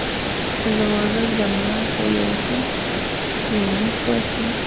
ګورنر جنرال ته هم یو لیک واستاوه.